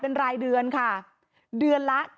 และมีการเก็บเงินรายเดือนจริง